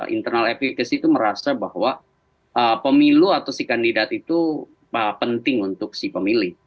internal efek itu merasa bahwa pemilu atau si kandidat itu penting untuk si pemilih